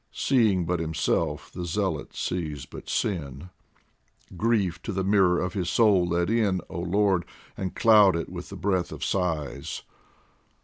Seeing but himself, the Zealot sees but sin ; Grief to the mirror of his soul let in, Oh Lord, and cloud it with the breath of sighs